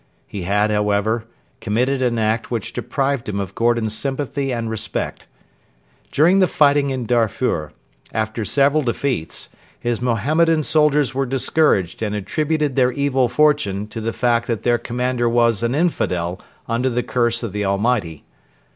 He had, however, committed an act which deprived him of Gordon's sympathy and respect. During the fighting in Darfur, after several defeats, his Mohammedan soldiers were discouraged and attributed their evil fortune to the fact that their commander was an infidel under the curse of the Almighty.